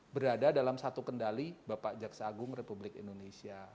berada dalam satu kendali bapak jaksa agung republik indonesia